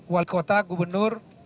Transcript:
wali kota gubernur